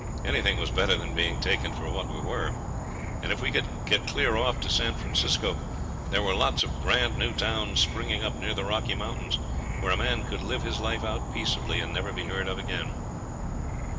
Anything was better than being taken for what we were. And if we could get clear off to San Francisco there were lots of grand new towns springing up near the Rocky Mountains, where a man could live his life out peaceably, and never be heard of again.